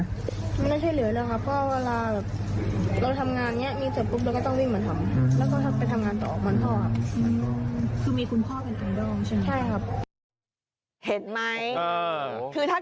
เราได้ช่วยเหลือเลยครับ